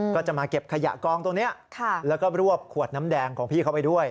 ก็จะมาเก็บขยะกองตรงนี้แล้วก็รวบขวดน้ำแดงของพี่เขาไปด้วย